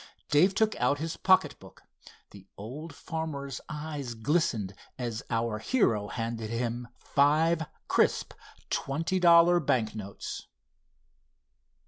Dave took out his pocket book. The old farmer's eyes glistened as our hero handed him five crisp twenty dollar banknotes.